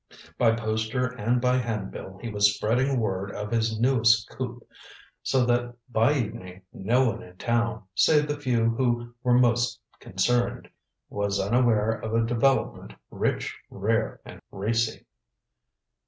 By poster and by hand bill he was spreading word of his newest coup, so that by evening no one in town save the few who were most concerned was unaware of a development rich, rare and racy.